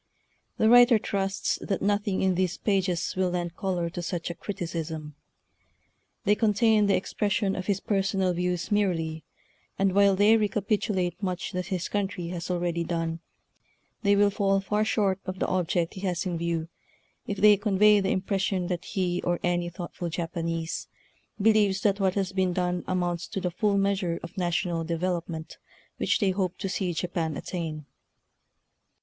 The writer trusts that nothing in these pages will lend color to such a criticism. They contain the expression of his per sonal views merely, and while they reca pitulate much that his country has al ready done, they will fall far short of the object he has in view if they convey the impression that he, or any thoughtful Japanese, believes that what has been done amounts to the full measure of na tional development which they hope to see Japan attain.